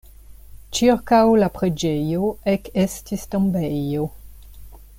Ĉirkaŭ la preĝejo ekestis tombejo.